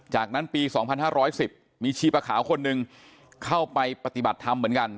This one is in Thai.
จากนั้นปี๒๕๑๐มีชีปะขาวคนหนึ่งเข้าไปปฏิบัติธรรมเหมือนกัน